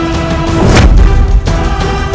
aku tidak mau berpikir seperti itu